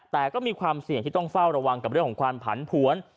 แต่ก็มีความเสี่ยงที่ต้องเฝ้าระวังกับเรื่องของความผันผวน